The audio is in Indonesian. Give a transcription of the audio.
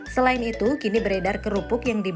selain itu kini beredar kerupuk yang dibuat